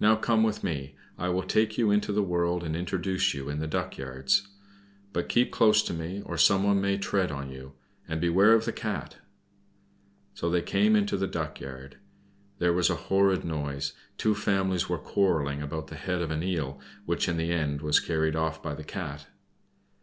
now come with me, I will take you into the world and introduce you in the duck yards. But keep close to me, or someone may tread on you; and beware of the Cat." So they came into the duck yard. There was a horrid noise; two families were quarreling about the head of an eel, which in the end was carried off by the Cat.